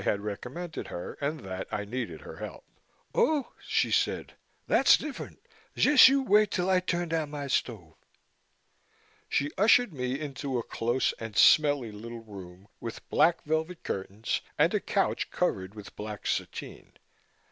had recommended her and that I needed her help. "Oh," she said. "Tha's differ'nt. Jest you wait till I turn down my stove." She ushered me into a close and smelly little room, with black velvet curtains and a couch covered with black sateen.